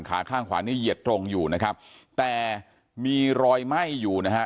ข้างขวานี่เหยียดตรงอยู่นะครับแต่มีรอยไหม้อยู่นะฮะ